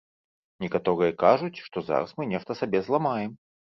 Некаторыя кажуць, што зараз мы нешта сабе зламаем.